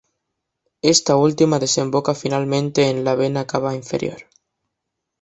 Esta última desemboca finalmente en la vena cava inferior.